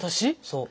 そう。